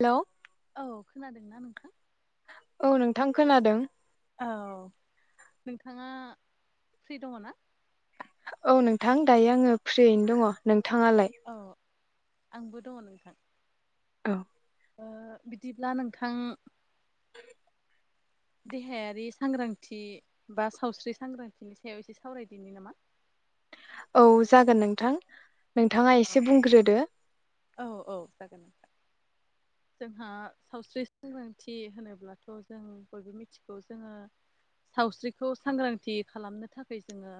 Hello औ खोनादों। होनना नोंथां। औ नोंथां खोनादों औ नोंथाङा फ्रि दङ ना? औ नोंथां दायो आङो फ्रियैनो दङ नों थाङालाय? औ आंबो दङ नोंथां औ ओ बिदिब्ला नोंथां [inaudible] देहायारि सांग्रांथि बा सावस्रि सांग्रांथिनि सायाव इसे सावरायदिनि नामा? औ जागोन नोंथां। नोंथाङा औ एसे बुंग्रोदो औ औ जागोन जोंहा सावस्रि सांग्रांथि होनोब्लाथ' जों बयबो मिथिगौ जोङो सावस्रिखौ सांग्रांथि खालामनो थाखाय जोङो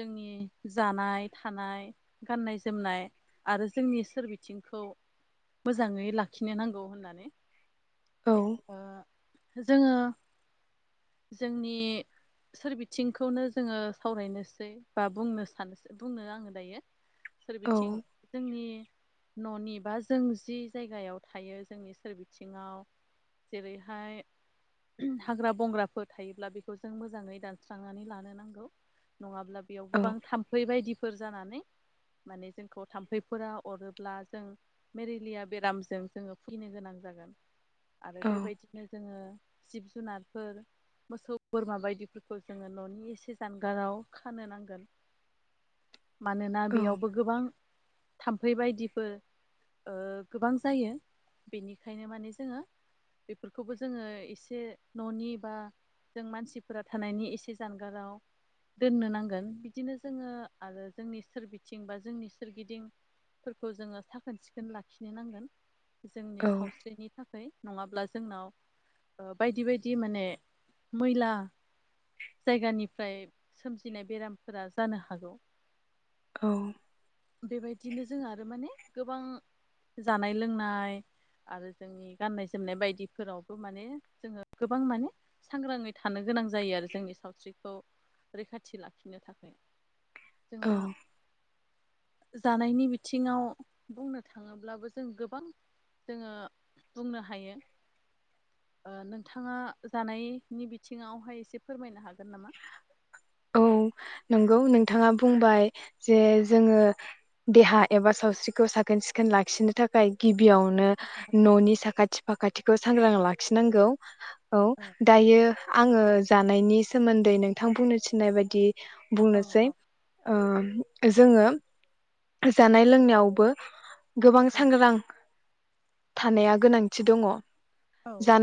जोंनि जानाय, थानाय, गाननाय जोमनाय आरो जोंनि सोरबि बिथिंखौ मोजाङै लाखिनो नांगौ होननानै औ ओ जोङो जोंनि सोरबिथिंखौनो जोङो सावरायनोसै बा बुंनो सान बुंनो आङो दायो औ सोरबिथिं जोंनि न'नि बा जों जि जायगायाव थायो जोंनि सोरबिथिङाव जेरैहाय हाग्रा बंग्राफोर थायोब्ला बेखौ जों मोजाङै दानस्रांनानै लानो नांगौ। नङाब्ला बेयाव औ गोबां थाम्फै बायदिफोर जानानै माने जोंखौ थाम्फैफोरा अरोब्ला जों मेरेलिया बेरामजों जोङो फैनो गोनां जागोन। आरो औ बेबायदिनो जोङो जिब जुनारफोर मोसौ बोरमा बायदिफोरखौ जोङो न'नि एसे जानगाराव खानो नांगोन। मानोना बेयावबो गोबां थाम्फै बायदिफोर ओ गोबां जायो बेनिखायनो माने जोङो बेफोरखौबो जोङो एसे न'नि बा जों मानसिफोरा थानायनि एसे जानगाराव दोननो नांगोन बिदिनो जोङो आरो जोंनि सोरबिथिं बा जोंनि सोरगिदिं फोरखौ जोङो साखोन सिखोन लाखिनो नांगोन। जोंनि औ सावस्रिनि थाख फाय नङाब्ला जोंनाव ओ बायदि बायदि माने मैला जायगानिफ्राय सोमजिनाय बेरामफोरा जानो हागौ। औ बेबायदिनो जोंहा आरो माने गोबां जानाय लोंनाय आरो जोंनि गाननाय जोमनाय बायदिफोरावबो माने जोङो गोबां माने सांग्राङै थानो गोनां जायो आरो जोंनि सावस्रिखौ रैखाथि लाखिनो थाखाय औ जोङा जानायनि बिथिङाव बुंनो थाङोब्लाबो जों गोबां जोङो बुंनो हायो ओ नोंथाङा जानायनि बिथिङावहाय इसे फोरमायनो हाग औ नों नंगौ नोंथाङा बुंबाय जे जोङो देहा एबा सावस्रिखौ साखोन सिखोन लाखिनो थाखाय गिबियावनो न'नि साखाथि फाखाथिखौ सांग्रां लाखिनांगौ। औ दायो आङो जानायनि सोमोन्दै नोंथां बुंनो थिनाय बायदि औ बुंनोसै औ ओ जोङो जानाय लोंनायावबो गोबां सांग्रां। थानाया गोनांथि दङ।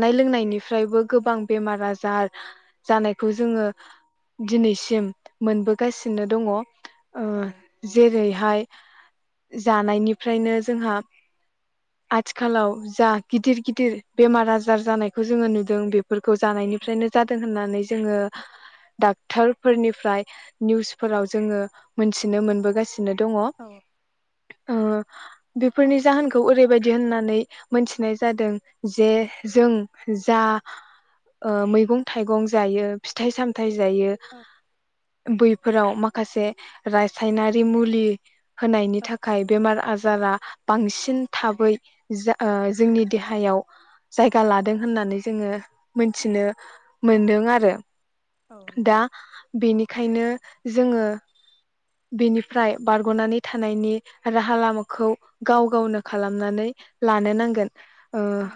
औ लोंनायनिफ्रायबो गोबां बेमार आजार जानाय खौ जोङो दिनैसिम मोनबोगासिनो दङ। ओ औ जेरैहाय जानायनिफ्रायनो जोंहा आथिखालाव जा गिदिर गिदिर बेमार आजार जानायखौ जोङो नुदों बेफोरखौ जानायनिफ्रायनो जादों होननानै। जोङो डक्टरफोरनिफ्राय निउसफोराव जोङो मोनथिनो मोनबोगासिनो दङ। ओ औ बेफोरनि जाहोनखौ ओरैबायदि होननानै मोनथिनाय जादों जे जों जा ओ मैगं थाइगं जायो फिथाइ सामथाइ फथाय जायो औ बै फोराव माखासे रासायनारि मुलि होनायनि औ थाखाय औ बेमार आजारा बांसिन थाबै जा जोंनि देहायाव जायगा लादों होननानै जोङो मोनथिनो औ मोनदों। औ आरो दा नंगौ बेनिखायनो जोङो बिनिफ्राय बारग'नानै थानायनि राहा लामाखौ गाव गावनो खालामनानै लानो नांगोन। ओ औ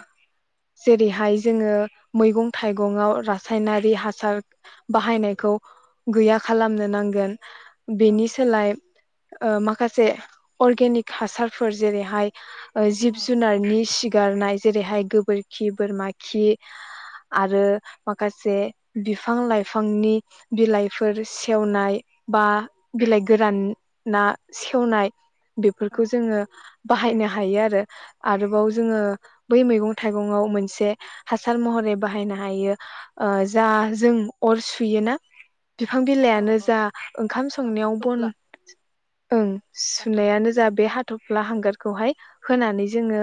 जेरैहाय जोङो मैगं थाइगं आव रासायनारि हासार बाहायनायखौ गैया खालामनो नांगोन। औ बेनि सोलाय माखासे अरगेनिक हासारफोर जेरैहाय जिब औ जुनारनि सिगारनाय जेरैहाय गोबोरखि बोरमा खि आरो माखासे बिफां लाइफांनि बिलाइफोर सेवनाय बा बिलाइ गोरान ना। सेवनाय औ बेफोरखौ जोङो बाहायनो ह हायो आरो आरोबाव औ जोङो बै मैगं थाइगं आव मोनसे हासार महरै बाहायनो हायो ओ जा जों अर सुयोना बिफां बिलाइआनो औ जा ओंखाम औ हाथ'फ्ला बन ओं बा हांगार सुनायानो जा बे हाथफ्ला हांगारखौ हाय होनानै जोङो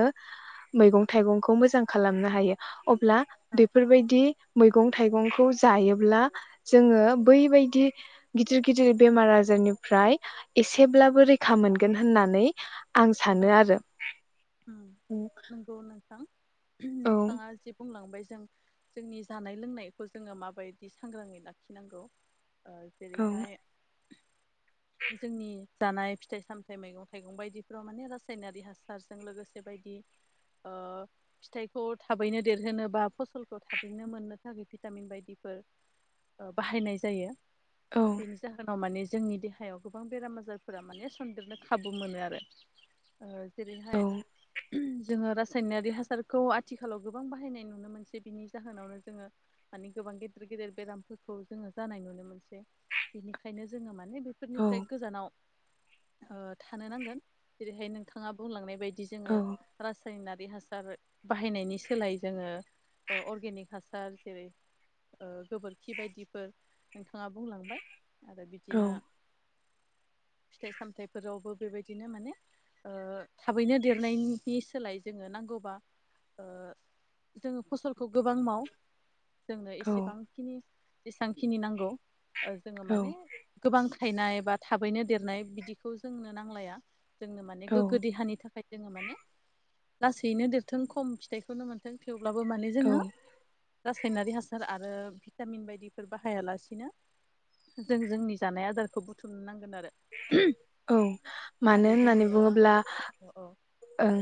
मैगं थाइगंखौ मोजां खालामनो हायो अब्ला औ बेफोरबायदि मैगं थाइगंखौ जायोब्ला जोङो बैबायदि गिदिर गिदिर बेमार आजारनिफ्राय एसेब्लाबो रैखा मोनगोन आं सानो औ आरो हा औ नोंथाङा जि बुंलांबाय जों जोंनि जानाय लोंनायखौ जोङो माबायदि सांग्राङै लाखिनांगौ ओ औ जेरैहाय जोंनि जानाय फिथाइ सामथायाइ मैगं थाइगं बायदि बेव माने रासायनारि हासारजों लोगोसे बायदि ओ फिथाइखौ थाबैनो देरहोनो बा फसलखौ थाबैनो मोननो थाखाय ओ भिटामिन बायदिफोर बाहायनाय जायो औ बेनि जाहोनाव माने जोंनि देहायाव गोबां बेराम आजारफोरा माने सन्देरनो खाबु मोनो आरो औ जेरैहाय जोङो रासायनारि हासारखौ आथिखालाव गोबां बाहायनाय नुनो मोनसै बिनि जाहोनावनो जोङो माने गोबां गेदेर गेदेर बेरामफोरखौ जोङो जानाय नुनो मोनसै बिनिखायनो जोङो माने औ बेफोरनिफ्राय गोजानाव थानो नांगोन। जेरैहाय नोंथाङा बुंलांनाय बायदि बिदि औ जोङो रासायनारि बे हासार बाहायनायनि सोलाय जोङो अर्गेनिक हासार जेरै गोबोरखि बायदिफोर नोंथाङा बुंलांबाय आरो औ बिदिनो फिथाइ सामथायाइफोरावबो बेबायदिनो माने थाबैनो देरनायनि सोलाय जोङो नांगौबा जोङो फसलखौ गोबां मावो जोंनो एसेबांखिनि बेसेबांखिनि नांगौ जोङो औ माने गोबां फथायनाय एबा थाबैनो देरनाय बिदिखौ जोंनो नांलाया। जोंनो माने औ गोग्गो देहानि थाखाय जोङो माने लासैनो देरथों खम फिथाइखौनो मोन्थों थेव अब्लाबो माने औ जोङो रासायनारि हासार आरो भिटामिन बायदिफोर बाहाया लासिनो जों जोंनि जानाय आजारखौ बुथुमनो नांगौ औ आरो मानो जोङो होननानै बुङोब्ला औ ओं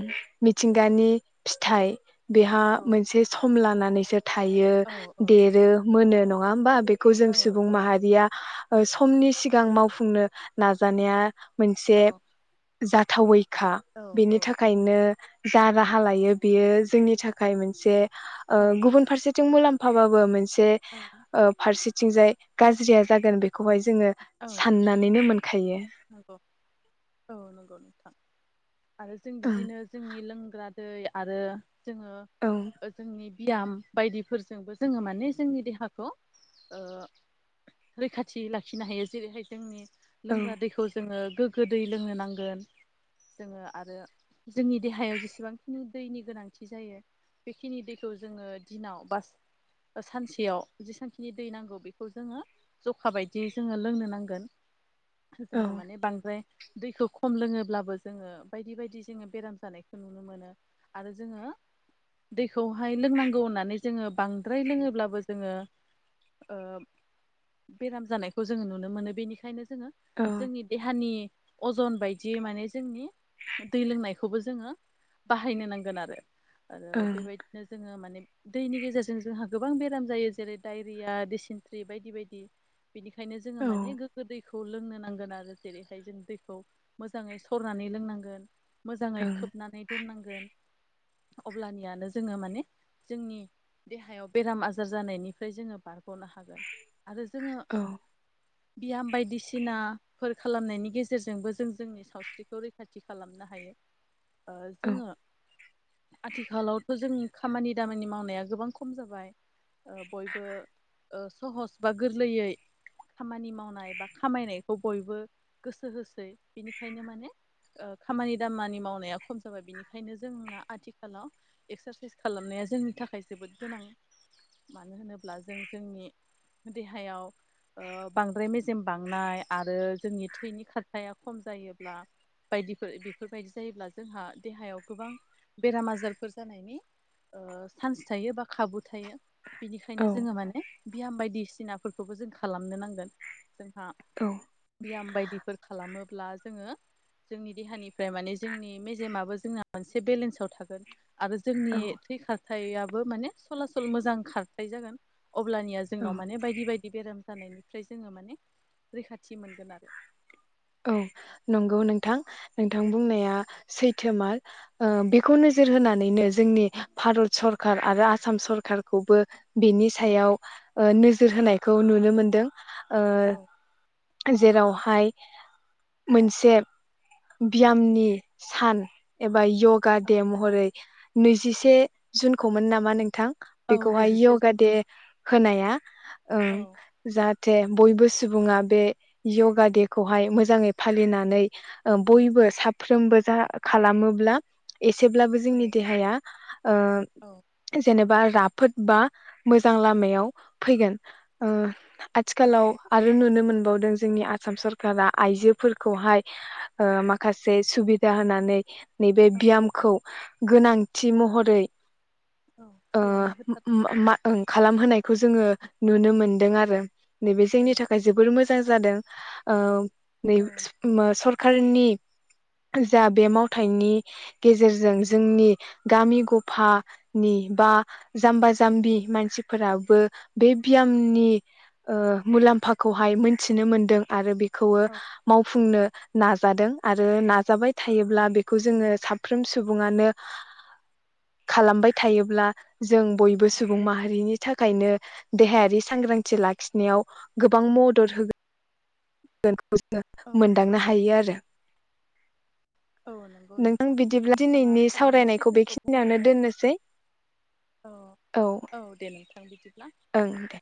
मिथिंगानि फिथाइ बेहा औ मोनसे सम लाना निसो थायो औ औ देरो मोनो न' नङा होमबा बे खौ जों औ सुबुं माहारिया ओ समनि सिगां मावफुंनो नाजानाया मोनसे औ जाथावैखा औ औ बिनि थाखायनो जा राहा लायो बेयो जोंनि थाखाय मोनसे ओ ओं गुबुन फारसे थिं मुलाम्फाबाबो मोनसे ओं ओ फारसे थिंजाय गाज्रिया जागोन बेखौहाय जोङो औ साननानैनो मोन नंगौ औ नंगौ नोंथां आरो जों ओं बिदिनो जोंनि लोंग्रा दै आरो जोङो औ जोंनि बियाम बायदिफोरजोंबो जोङो माने जोंनि देहाखौ ओ रैखाथि लाखिनो हायो जेरैहाय जोंनि औ लोंग्रा दैखौ जोङो गोग्गो दै लोंनो नांगोन जोङो आरो जोंनि देहायाव जेसेबांखिनि दैनि गोनांथि जायो बेखिनि दैखौ जोङो दिनाव बा सानसेयाव जेसेबांखिनि दै नांगौ बेखौ जोङो जखा बायदियै जोङो लोंनो नांगोन। औ जोङो माने बांद्राय दैखौ खम लोङोब्लाबो जोङो बायदि बायदि जोङो बेराम जानायखौ नुनो मोनो आरो जोङो दैखौहाय लोंनांगौ होननानै जोङो बांद्राय लोङोब्लाबो जोङो ओ बेराम जानायखौ जोङो नुनो मोनो बेनिखायनो जोङो औ जोंनि देहानि अजन बायदि माने जोंनि दै लोंनायखौबो जोङो बाहायनो नांगोन आरो आरो ओं बेबायदिनो जोङो माने दैनि गेजेरजों जोंहा गोबां बेराम जायो जेरै डायरिया डिसिनट्रि बायदि बायदि बिनिखायनो जोङो औ माने गोगो दै खौ लोंनो नांगौ। गोन आरो जेरैहाय जों दैखौ मोजाङै सरनानै लोंनांगोन। मोजाङै ओं खोबनानै दोननांगौ। अब्लानियानो जोङो माने जोंनि देहायाव बेराम आजार जानायनिफ्राय जोङो बारग'गोन। गनो हागोन आरो जोङो औ बियाम बायदिसिना। फोर खालामनायनि गेजेरजोंबो जों जोंनि सावस्रिखौ रैखाथि खालामनो हायो। औ जोंङो। आथिखालावथ' जों खामानि दामानि मावनाया गोबां खम जाबाय। बयबो। सहस बा गोरलैयै खामानि मावनाय बा खामायनाय। खौ बयबो गोसो होसै बिनिखायनो माने खामानि दामानि मावनाया खम जाबाय बिनिखायनो जोंना आथिखालाव एक्सारसाइस खालामनाया जोंनि थाखाय जोबोद गोनां मानो होनोब्ला जों जोंनि देहायाव बांद्राय मेजेम बांनाय। आरो जोंनि थैनि खारथाया खम जायोब्ला बायदिफोर बेफोरबायदि जायोब्ला जोंहा देहायाव गोबां बेराम आजारफोर जानायनि चान्स थायो बा खाबु थायो। बिनिखायनो जोंङो औ माने। बियाम बायदिसिनाफोरखौबो जों खालामनो नांगोन। हा। बयाम बायदिफोर खालामोब्ला जोंङो जोंनि देहानिफ्राय माने जोंनि मेजेमाबो जोंना मोनसे बेलेन्साव थागोन। आरो जोंनि औ थै खार। हाथायाबो माने सरसल मोजां खारथाय जागोन। अब्लानिया औ जोंनाव माने बायदि बायदि। बेराम जानायनिफ्राय जोंङो माने रैखाथि। थि मोनगोन आरो। औ नंगौ नोंथां नोंथां बुंनाया सैथोमार बेखौ नोजोर होनानैनो जोंनि भारत सरखार आरो आसाम सरखारखौबो। बेनि औ सायाव नोजोर होनाय। खौ नुनो मोनदों। ओ औ। जेरावहाय। मोनसे बियामनि सान एबा। य'गा औ दे औ महरै। नैजि से जुनखौमोन नामा नोंथां। औ बेखौहाय नैजिसे यगा जन दे होनाया। औ ओं जाहाथे। बयबो सुबुङा बे यगा दे। खौहाय मोजांङै फालिनानै। औ बयबो साफ्रोमबो। जा खालामोब्ला। एसेब्लाबो औ जोंनि देहाया ओ औ जेनेबा राफोद बा मोजां लामायाव फैगोन ओ आथिखालाव नंगौ आरो नुनो मोनो बावदों जोंनि आसाम सरकारा सरखारा आइजोफोरखौहाय ओ माखासे सुबिदा होनानै नैबे औ बियामखौ गोनांथि महरै औ ओ खालाम होथार मा ओ खालामहोनायखौ जोङो नुनो मोनदों आरो। नैबे औ जोंनि थाखाय जोबोर मो जां जादों। ओ नै औ स ओ सर खारनि जा बे मावथायनि गेजेरजों जोंनि गामि गफानि बा जाम्बा जाम्बि मानसिफोराबो बे बियामनि ओ मुलाम्फाखौहाय मोनथिनो मोनदों। आरो बे खौवो औ मावफुंनो नाजादों आरो नाजाबाय थायोब्ला बेखौ जोङो साफ्रोम सुबुङानो खालामबाय थायोब्ला जों बयबो सुबुं माहारिनि थाखायनो देहायारि सांग्रांथि लाखिनायाव गोबां मदद होगो न खौ औ जोङो औ मोनदांनो हायो आरो। औ नंगौ नोंथां बिदिब्ला नोंथाङा दिनैनि थारैनो सावरायनायखौ सैथोखौ बेखिनियावनो बुंलांबाय। दोननोसै औ औ दे नोंथां बिदिब्ला ओं दे।